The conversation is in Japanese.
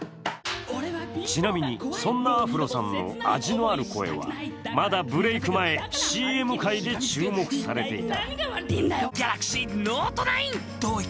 ちなみにそんなアフロさんの味のある声は、まだブレイク前、ＣＭ界で注目されていた。